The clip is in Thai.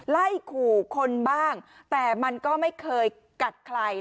ไล่ขู่คนบ้างแต่มันก็ไม่เคยกัดใคร